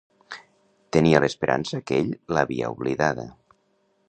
Tenia l'esperança que ell l'havia oblidada.